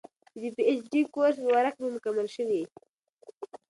چې د پي اېچ ډي کورس ورک مې مکمل شوے